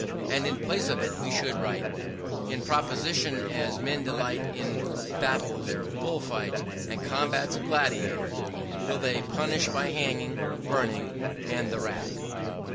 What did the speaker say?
And in place of it we should write: "In proportion as men delight in battles, bull fights, and combats of gladiators, will they punish by hanging, burning, and the rack."